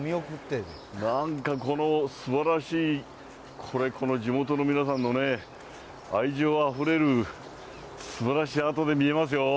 なんかこのすばらしいこれ、地元の皆さんのね、愛情あふれるすばらしい、あとで見えますよ。